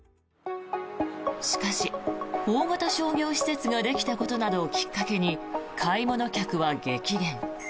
しかし、大型商業施設ができたことなどをきっかけに買い物客は激減。